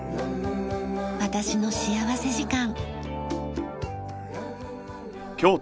『私の幸福時間』。